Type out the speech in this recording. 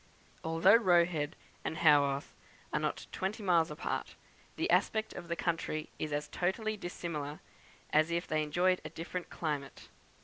Although Roe Head and Haworth are not twenty miles apart, the aspect of the country is as totally dissimilar as if they enjoyed a different climate.